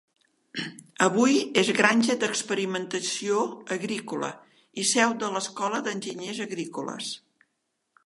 Avui és granja d'experimentació agrícola i seu de l'Escola d'Enginyers Agrícoles.